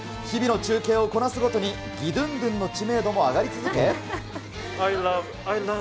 日々の中継をこなすごとに、義ドゥンドゥンの知名度も上がり続け。